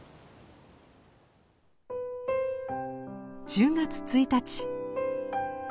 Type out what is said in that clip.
１０月１日。